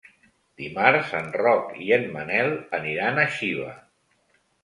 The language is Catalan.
Dimarts en Roc i en Manel aniran a Xiva.